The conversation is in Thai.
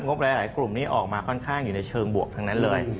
บหลายกลุ่มนี้ออกมาค่อนข้างอยู่ในเชิงบวกทั้งนั้นเลย